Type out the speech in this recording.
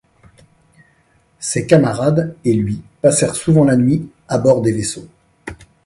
Ses camarades et lui passèrent souvent la nuit à bord des vaisseaux.